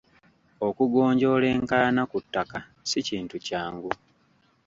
Okugonjoola enkaayana ku ttaka si kintu kyangu.